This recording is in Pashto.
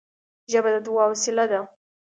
ژبه د دعا وسیله ده